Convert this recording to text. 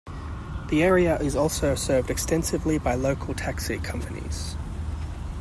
The area is also served extensively by local taxi companies.